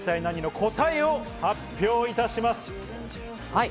答えを発表いたします。